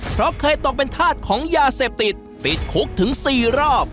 เพราะเคยต้องเป็นทาสของยาเสพติดปิดคุกถึงสี่รอบ